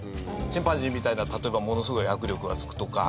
チンパンジーみたいな、例えばものすごい握力が付くとか